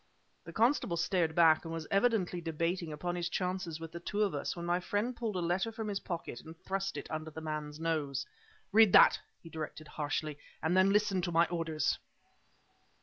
The constable started back and was evidently debating upon his chances with the two of us, when my friend pulled a letter from his pocket and thrust it under the man's nose. "Read that!" he directed harshly, "and then listen to my orders."